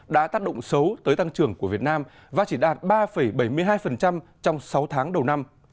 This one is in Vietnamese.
đã tác động xấu tới tăng trưởng của việt nam và chỉ đạt ba bảy mươi hai trong sáu tháng đầu năm